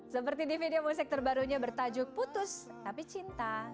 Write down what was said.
seperti di video musik terbarunya bertajuk putus tapi cinta